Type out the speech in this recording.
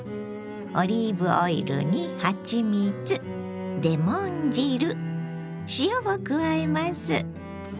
オリーブオイルにはちみつレモン汁塩を加えます。